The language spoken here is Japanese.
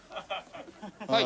はい。